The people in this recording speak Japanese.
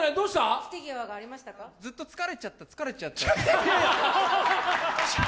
ずっと、疲れちゃった、疲れちゃった。